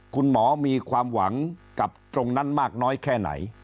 คุณหมอมีความหวังกับตรงนั้นมากน้อยแค่ไหน